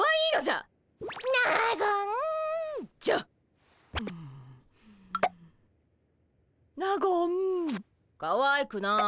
あかわいくない。